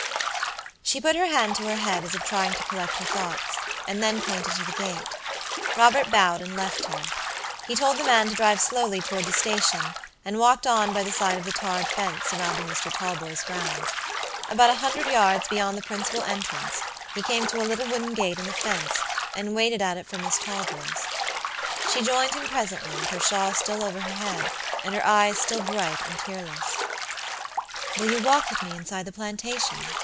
She put her hand to her head as if trying to collect her thoughts, and then pointed to the gate. Robert bowed and left her. He told the man to drive slowly toward the station, and walked on by the side of the tarred fence surrounding Mr. Talboys' grounds. About a hundred yards beyond the principal entrance he came to a little wooden gate in the fence, and waited at it for Miss Talboys. She joined him presently, with her shawl still over her head, and her eyes still bright and tearless. "Will you walk with me inside the plantation?"